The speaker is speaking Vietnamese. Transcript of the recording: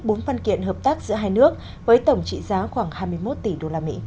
bốn văn kiện hợp tác giữa hai nước với tổng trị giá khoảng hai mươi một tỷ usd